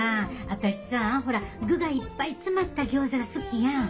私さほら具がいっぱい詰まったギョーザが好きやん。